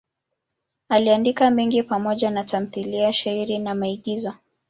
Aliandika mengi pamoja na tamthiliya, shairi na maigizo.